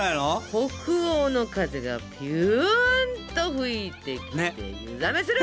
北欧の風がピュンと吹いてきて湯冷めする！